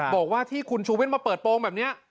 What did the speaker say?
บอกว่าที่คุณชูวิทย์มาเปิดโปรงแบบนี้